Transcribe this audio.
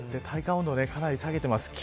体感温度をかなり下げています。